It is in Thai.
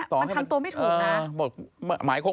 มันทำตัวไม่ถูกนะ